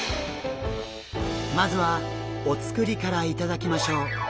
まずはお造りからいただきましょう。